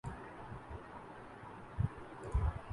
would cliff Lake اینجے